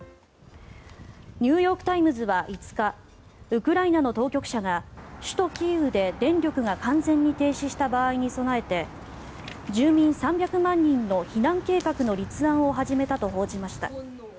ニューヨーク・タイムズは５日ウクライナの当局者が首都キーウで電力が完全に停止した場合に備えて住民３００万人の避難計画の立案を始めたと報じました。